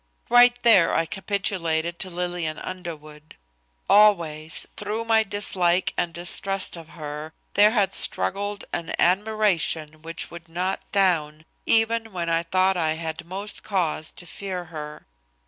Right there I capitulated to Lillian Underwood. Always, through my dislike and distrust of her, there had struggled an admiration which would not down, even when I thought I had most cause to fear her.